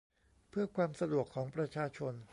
เพื่อความสะดวกของประชาชน